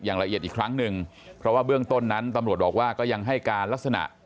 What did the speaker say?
อย่างละเอียดอีกครั้งหนึ่งเพราะว่าเบื้องต้นนั้นตำรวจบอกว่าก็ยังให้การลักษณะ